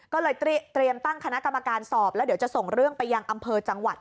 ก็เลยเตรียมตั้งคณะกรรมการสอบแล้วเดี๋ยวจะส่งเรื่องไปยังอำเภอจังหวัด